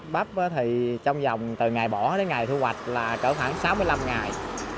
bắp thì trong dòng từ ngày bỏ đến ngày thu hoạch là cỡ khoảng sáu mươi năm ngày